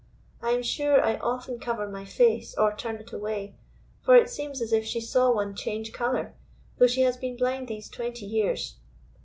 I am sure I often cover my face, or turn it away, for it seems as if she saw one change colour, though she has been blind these twenty years.